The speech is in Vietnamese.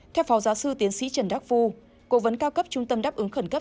theo phó giáo sư tiến sĩ trần đắc phu cố vấn cao cấp trung tâm đáp ứng khẩn cấp